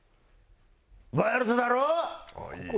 ワイルドだろぉ？